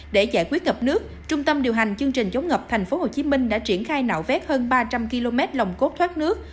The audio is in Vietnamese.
để giải quyết ngập nước trung tâm điều hành chương trình chống ngập tp hcm đã triển khai nạo vét hơn ba trăm linh km lòng cốt thoát nước